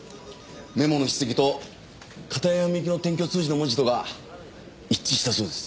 メモの筆跡と片山みゆきの転居通知の文字とが一致したそうです。